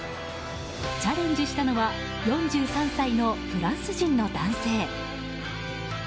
チャレンジしたのは４３歳のフランス人の男性。